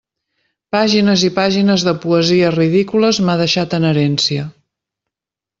Pàgines i pàgines de poesies ridícules m'ha deixat en herència!